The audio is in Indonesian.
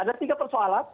ada tiga persoalan